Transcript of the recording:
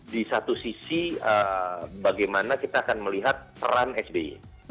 di satu sisi bagaimana kita akan melihat peran sby